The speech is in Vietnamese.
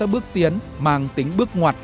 những bước tiến mang tính bước ngoặt